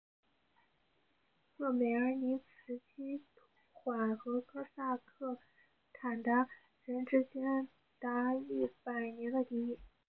赫梅尔尼茨基试图缓和哥萨克与鞑靼人之间长达一百年的敌意。